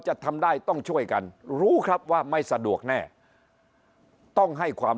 จะทำได้ต้องช่วยกันรู้ครับว่าไม่สะดวกแน่ต้องให้ความ